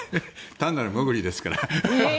単なる潜りですから。